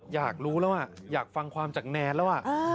อยากรู้แล้วอยากฟังความจากแนนแล้ว